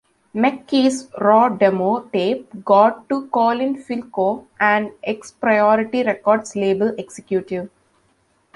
McKee's raw demo tape got to Colin Filkow, an ex-Priority Records label executive.